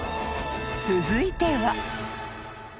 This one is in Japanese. ［続いては］